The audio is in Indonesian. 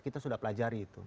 kita sudah pelajari itu